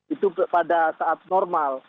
itu pada saat normal